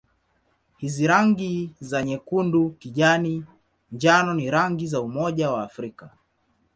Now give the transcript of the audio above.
Hizi rangi za nyekundu-kijani-njano ni rangi za Umoja wa Afrika.